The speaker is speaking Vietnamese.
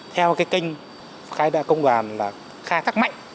theo cái kênh khai đại công đoàn là khai thác mạnh